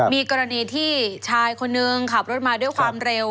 มีกรณีที่ชายคนนึงขับรถมาด้วยความเร็ว